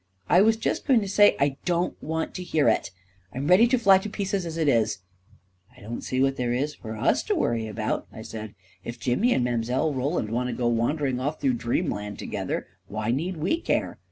" I was just going to say ..."" I don't want to hear it I I'm ready to fly to pieces as it is !"" I don't see what there is for us to worry about," I said. u If Jimmy and Mile. Roland want to go wandering off through dream land together, why need we care